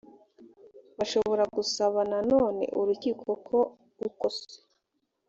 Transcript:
bashobora gusaba na none urukiko ko uko c